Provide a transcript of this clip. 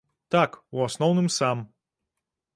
Так, у асноўным сам.